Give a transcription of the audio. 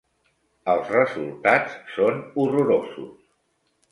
Els resultats són horrorosos.